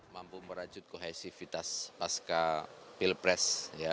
mampu merajut kohesivitas pasca pilpres